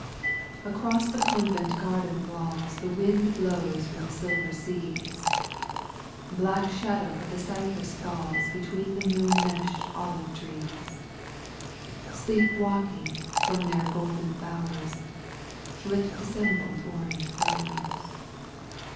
Across the convent garden walls The wind blows from the silver seas; Black shadow of the cypress falls Between the moon meshed olive trees; Sleep walking from their golden bowers, Flit disembodied orange flowers.